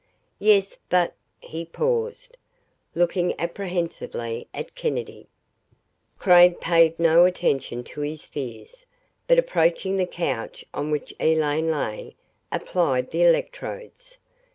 "Yes but " He paused, looking apprehensively at Kennedy. Craig paid no attention to his fears, but approaching the couch on which Elaine lay, applied the electrodes.